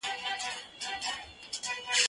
زه اوږده وخت کښېناستل کوم؟!